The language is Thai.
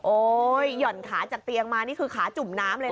หย่อนขาจากเตียงมานี่คือขาจุ่มน้ำเลยนะ